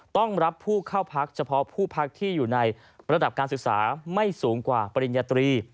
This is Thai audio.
ต้องรับผู้เข้าพักเฉพาะผู้พักที่อยู่ในระดับการศึกษาไม่สูงกว่าปริญญาตรี